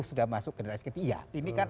sudah masuk generasi ketiga ini kan